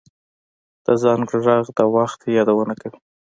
د زنګ غږ د وخت یادونه کوي